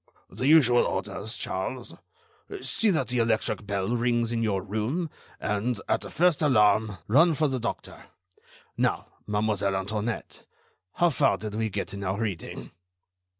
"The usual orders, Charles: see that the electric bell rings in your room, and, at the first alarm, run for the doctor. Now, Mademoiselle Antoinette, how far did we get in our reading?"